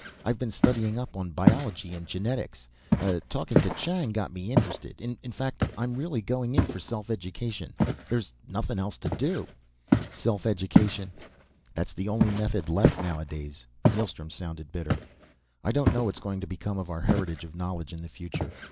I've been studying up on biology and genetics; talking to Chang got me interested. In fact, I'm really going in for self education. There's nothing else to do." "Self education! That's the only method left nowadays." Neilstrom sounded bitter. "I don't know what's going to become of our heritage of knowledge in the future.